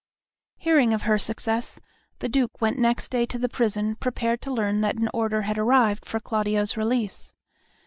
Hearing of her success, the Duke went next day to the prison prepared to learn that an order had arrived for Claudio's release.